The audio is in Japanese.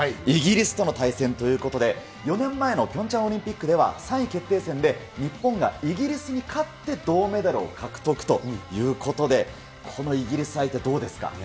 イギリスとの対戦ということで、４年前のピョンチャンオリンピックでは、３位決定戦で日本がイギリスに勝って銅メダルを獲得ということで、このイギリス相手、どうですか。